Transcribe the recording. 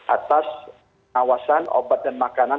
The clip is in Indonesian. atas pengawasan obat dan makanan